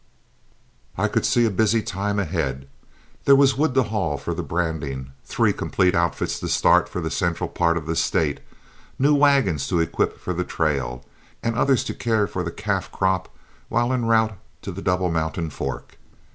I could see a busy time ahead. There was wood to haul for the branding, three complete outfits to start for the central part of the State, new wagons to equip for the trail, and others to care for the calf crop while en route to the Double Mountain Fork.